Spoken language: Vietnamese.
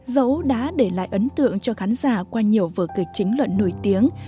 dấu đã để lại ấn tượng cho khán giả qua nhiều vở kịch chính luận nổi tiếng